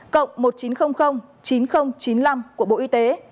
cộng một nghìn chín trăm linh chín nghìn chín mươi năm của bộ y tế